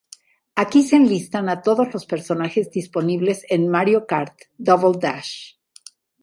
Aquí se enlistan a todos los personajes disponibles en "Mario Kart: Double Dash!!